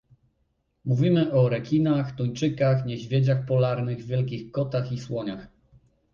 Mówimy o rekinach, tuńczykach, niedźwiedziach polarnych, wielkich kotach i słoniach